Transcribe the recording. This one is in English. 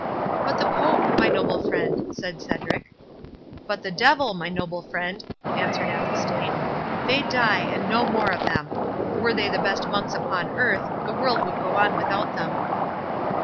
"But the Pope, my noble friend,"—said Cedric— "But the devil, my noble friend,"—answered Athelstane; "they die, and no more of them. Were they the best monks upon earth, the world would go on without them."